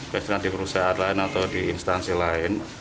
biasanya di perusahaan lain atau di instansi lain